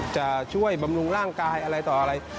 จะช่วยบำรุงร่างกายอะไรต่ออะไร